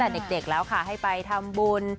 ตั้งแต่เด็กแล้วให้ไปทำบุญ